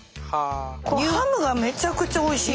このハムがめちゃくちゃおいしい。